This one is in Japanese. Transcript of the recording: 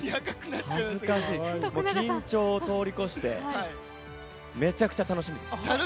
緊張を通り越してめちゃくちゃ楽しみです。